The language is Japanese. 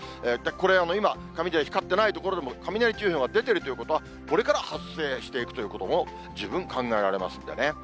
これ、今、雷光ってない所でも、雷注意報が出てるということは、これから発生していくということも十分考えられますんでね。